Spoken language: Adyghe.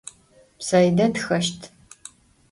Saide txeşt.